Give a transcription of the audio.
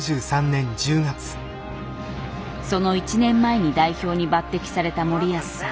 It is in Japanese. その１年前に代表に抜擢された森保さん。